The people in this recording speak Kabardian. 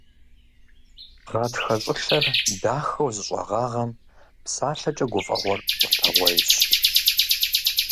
Гъатхэ щӀылъэр дахэу зэщӀэгъагъэм, псалъэкӀэ гуфӀэгъуэр Ӏуэтэгъуейщ.